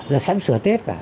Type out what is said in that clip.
là sáng sửa tết cả